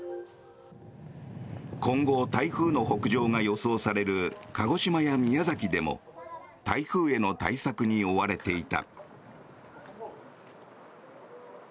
今後、台風の北上が予想される鹿児島や宮崎でも台風への対策に追われていた。